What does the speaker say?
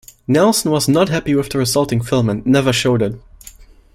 Nelson was not happy with the resulting film and never showed it.